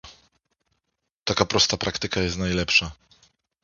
Taka prosta praktyka jest najlepsza